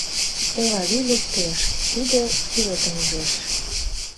Элавий лектеш, тиде сӱретым ужеш.